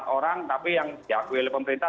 empat orang tapi yang diakui oleh pemerintah